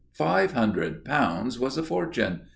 Five hundred pounds was a fortune.